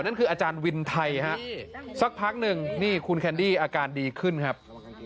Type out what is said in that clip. นั่นคืออาจารย์วินไทยฮะสักพักหนึ่งนี่คุณแคนดี้อาการดีขึ้นครับ